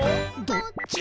どっち？